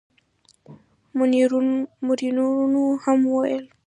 منورینو هم ویل.